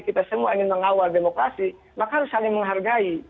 kita semua ingin mengawal demokrasi maka harus saling menghargai